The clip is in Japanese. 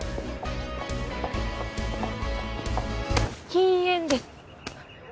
禁煙です！